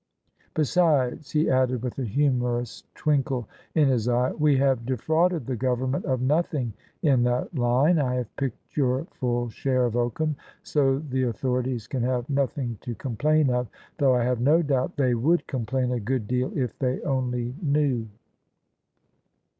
Besides," he added with a humorous twinkle in his eye, " we have defrauded the Government of nothing in that line: I have picked your full share of oakum, so the authori ties can have nothing to complain of : though I have no doubt they would complain a good deal if they only knew."